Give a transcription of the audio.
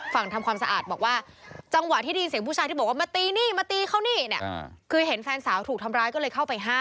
ฝั่งทำความสะอาดบอกว่าจังหวะที่ได้ยินเสียงผู้ชายที่บอกว่ามาตีนี่มาตีเขานี่เนี่ย